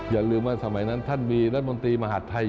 อย่าลืมว่าสมัยนั้นท่านมีรัฐมนตรีมหาดไทย